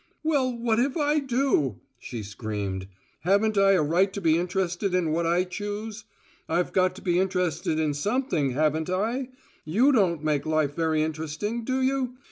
"Well, what if I do?" she screamed. "Haven't I a right to be interested in what I choose? I've got to be interested in something, haven't I? You don't make life very interesting, do you?